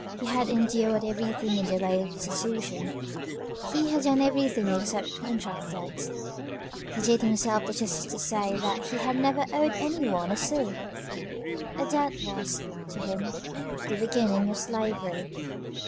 He had endured everything in the way of destitution; he had done everything except contract debts. He did himself the justice to say that he had never owed any one a sou. A debt was, to him, the beginning of slavery.